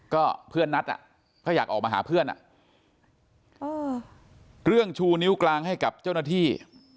ก็เพื่อนนัดอ่ะก็อยากออกมาหาเพื่อนอ่ะเรื่องชูนิ้วกลางให้กับเจ้าหน้าที่